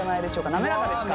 滑らかですか？